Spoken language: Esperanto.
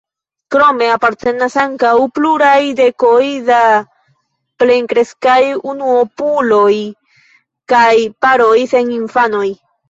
Krome partoprenas ankaŭ pluraj dekoj da plenkreskaj unuopuloj kaj paroj sen infanoj.